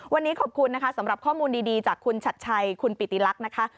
วันนี้ขอบคุณนะคะสำหรับข้อมูลดีจากคุณชัดชัยคุณปิติลักษณ์นะคะ